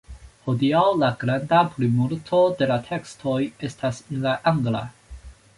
Hodiaŭ la granda plimulto de la tekstoj estas en la angla.